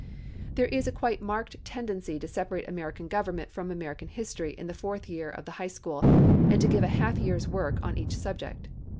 There is quite a marked tendency to separate American government from American history in the fourth year of the high school, and to give a half year's work in each subject.